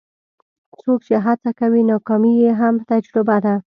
څوک چې هڅه کوي، ناکامي یې هم تجربه ده.